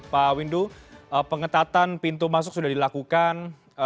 pak windu pengetatan pintu masuk sudah dilakukan